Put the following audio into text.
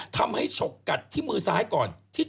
ทำให้ฉกกัดที่มือซ้ายก่อน